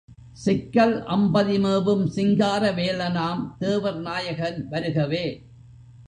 சிக்கல் அம்பதிமேவும் சிங்கார வேலனாம் தேவர் நாயகன் வருகவே!